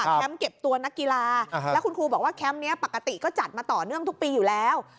เก็บตัวนักกีฬาแล้วคุณครูบอกว่าแคมป์นี้ปกติก็จัดมาต่อเนื่องทุกปีอยู่แล้ว